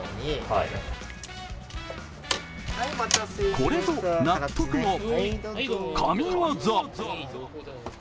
これぞ納得の神業。